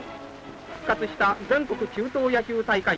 復活した全国中等野球大会。